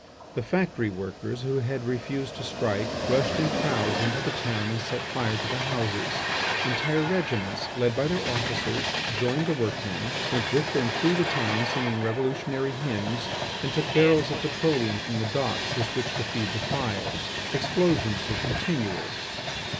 The factory workers, who had refused to strike, rushed in crowds into the town and set fire to the houses. Entire regiments, led by their officers, joined the workmen, went with them through the town singing revolutionary hymns, and took barrels of petroleum from the docks with which to feed the fires. Explosions were continual.